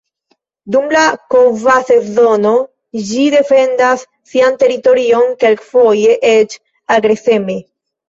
Dum la kova sezono ĝi defendas sian teritorion, kelkfoje eĉ agreseme.